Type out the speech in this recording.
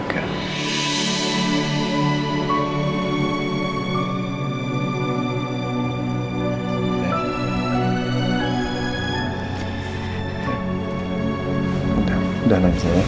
gak ada obat obatan itu